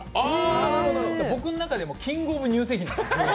僕の中でキング・オブ・乳製品なんです。